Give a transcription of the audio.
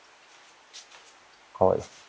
かわいい。